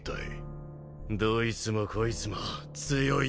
どいつもこいつも強いだけなんだよ。